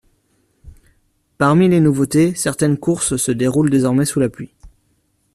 Parmi les nouveautés, certaines courses se déroulent désormais sous la pluie.